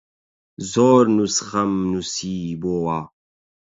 زۆر نوسخەم نووسیبۆوە